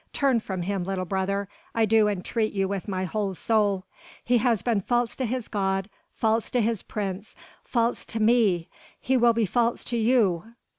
Turn from him, little brother, I do entreat you with my whole soul. He has been false to his God, false to his prince, false to me! he will be false to you!"